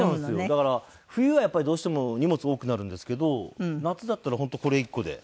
だから冬はやっぱりどうしても荷物多くなるんですけど夏だったら本当これ１個で。